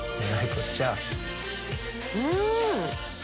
うん！